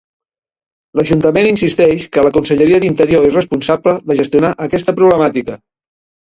L'Ajuntament insisteix que la Conselleria d'Interior és responsable de gestionar aquesta problemàtica.